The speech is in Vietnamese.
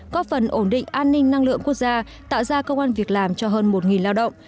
có phần ổn định an ninh năng lượng quốc gia tạo ra công an việc làm cho hơn một lao động